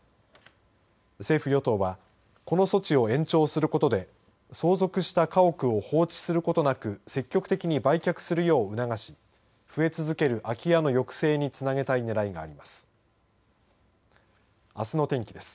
政府、与党はこの措置を延長することで相続した家屋を放置することなく積極的に売却するよう促し増え続ける空き家の抑制につなげたいねらいがあります。